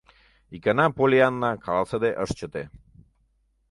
Икана Поллианна каласыде ыш чыте.